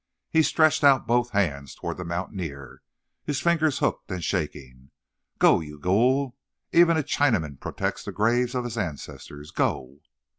He stretched out both hands toward the mountaineer, his fingers hooked and shaking. "Go, you ghoul! Even a Ch Chinaman protects the g graves of his ancestors—go!"